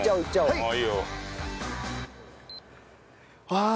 ああ